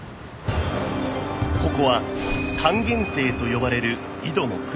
ここは還元井と呼ばれる井戸の掘削現場